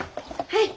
はい。